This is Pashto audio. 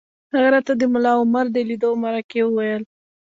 هغه راته د ملا عمر د لیدو او مرکې وویل